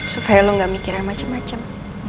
supaya lo gak mikir yang macem macem